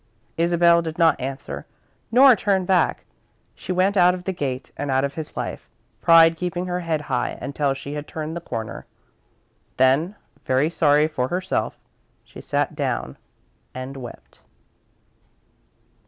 Isabel did not answer, nor turn back. She went out of the gate and out of his life, pride keeping her head high until she had turned the corner. Then, very sorry for herself, she sat down and wept.